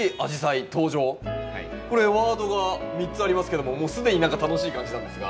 これワードが３つありますけどももう既に楽しい感じなんですが。